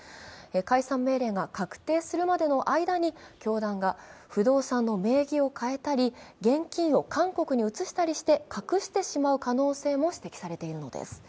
解散命令が確定するまでの間に教団が不動産の名義を換えたり、現金を韓国に移したりして隠してしまう可能性も指摘されているのです。